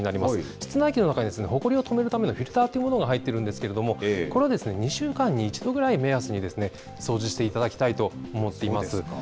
室内機の中に、ほこりを閉じ込めるためのフィルターというものが入ってるんですけれども、これを２週間に１度ぐらいを目安に掃除していただきたいと思っています。